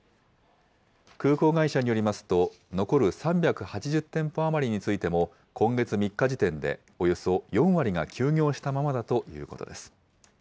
空港会社によりますと、残る３８０店舗余りについても、今月３日時点でおよそ４割が休業したままだということです。